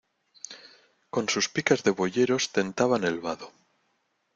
con sus picas de boyeros tentaban el vado.